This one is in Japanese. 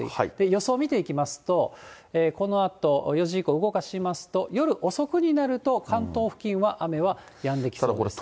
予想見ていきますと、このあと４時以降、動かしますと、夜遅くになると関東付近は雨はやんできそうです。